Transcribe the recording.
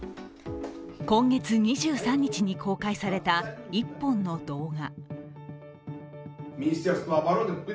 今月２３日に公開された１本の動画